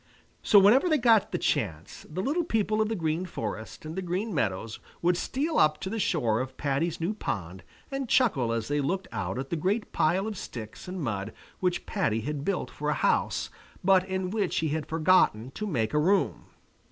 So whenever they got the chance, the little people of the Green Forest and the Green Meadows would steal up to the shore of Paddy's new pond and chuckle as they looked out at the great pile of sticks and mud which Paddy had built for a house, but in which he had forgotten to make a room.